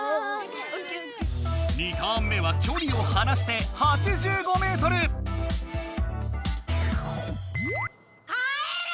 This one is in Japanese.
２ターン目はきょりをはなして８５ｍ！かえる！